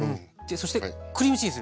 そしてクリームチーズ。